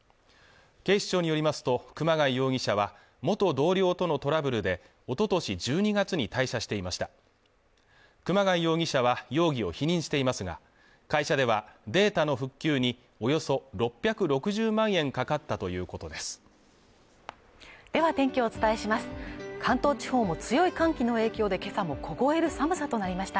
警視庁によりますと熊谷容疑者は元同僚とのトラブルでおととし１２月に退社していました熊谷容疑者は容疑を否認していますが会社ではデータの復旧におよそ６６０万円かかったということですでは天気をお伝えします関東地方も強い寒気の影響で今朝も凍える寒さとなりました